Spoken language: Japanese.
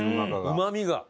うまみが。